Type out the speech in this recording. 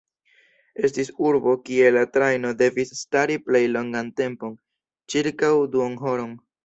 Estis urbo kie la trajno devis stari plej longan tempon – ĉirkaŭ duonhoron.